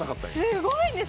すごいんです。